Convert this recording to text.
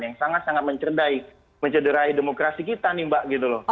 yang sangat sangat mencederai demokrasi kita nih mbak